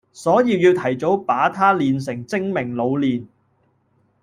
所以要提早把他練成精明老練